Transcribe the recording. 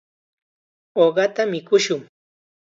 Uqata mikushun.